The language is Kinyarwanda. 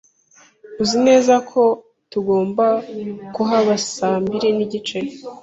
Uzi neza ko tugomba kuhaba saa mbiri n'igice?